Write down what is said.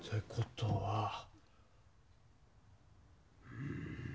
うん。